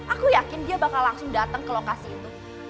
aku yakin dia bakal langsung datang ke lokasi itu